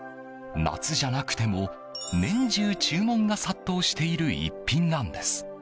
夏じゃなくても年中、注文が殺到している逸品なんです。